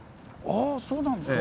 あそうなんですか！